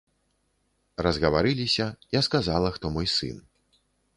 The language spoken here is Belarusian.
Разгаварыліся, я сказала, хто мой сын.